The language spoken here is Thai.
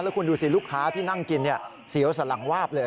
คุณดูสิลูกค้าที่นั่งกินเสียวสลังวาบเลย